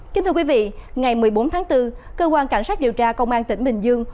kính thưa quý vị ngày một mươi bốn tháng bốn cơ quan cảnh sát điều tra công an tỉnh bình dương